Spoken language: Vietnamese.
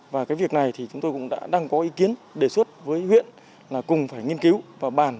và cái việc này thì chúng tôi cũng đã đang có ý kiến đề xuất với huyện là cùng phải nghiên cứu và bàn